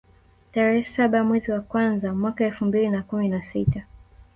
tarehe saba mwezi wa kwanza mwaka elfu mbili na kumi na sita